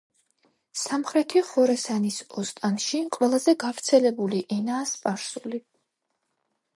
სამხრეთი ხორასანის ოსტანში ყველაზე გავრცელებული ენაა სპარსული.